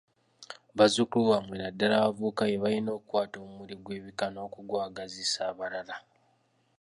Bazzukulu bammwe naddala abavubuka be balina okukwata omumuli gw'ebika n'okugwagazisa abalala.